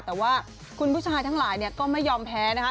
แต่ว่าคุณผู้ชายทั้งหลายก็ไม่ยอมแพ้